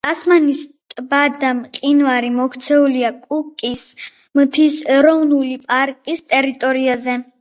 ტასმანის ტბა და მყინვარი მოქცეულია კუკის მთის ეროვნული პარკის ტერიტორიაზე.